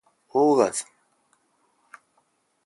オーガズム